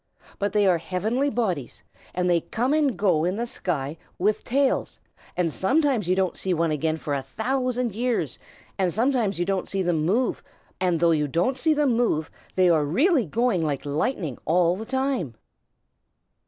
But they are heavenly bodies, and they come and go in the sky, with tails; and sometimes you don't see one again for a thousand years; and though you don't see them move, they are really going like lightning all the time."